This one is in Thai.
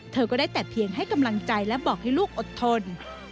เธอก็ได้แต่เพียงให้กำลังใจและบอกให้ลูกอดทน